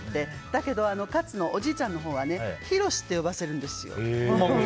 だけど、おじいちゃんのほうは洋って呼ばせるんですよ。